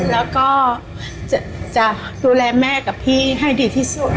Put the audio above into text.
แล้วก็จะดูแลแม่กับพี่ให้ดีที่สุด